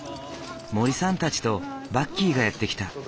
森さんたちとバッキーがやって来た。